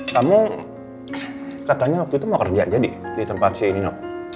kamu katanya waktu itu mau kerja jadi di tempat senior